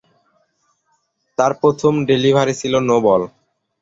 তার প্রথম ডেলিভারি ছিল নো বল।